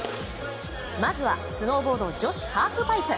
まずはスノーボード女子ハーフパイプ。